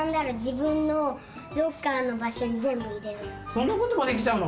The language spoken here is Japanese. そんなこともできちゃうの？